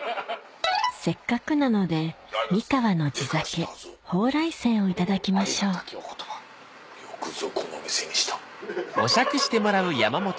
せっかくなので三河の地酒蓬莱泉をいただきましょうよくぞこの店にした。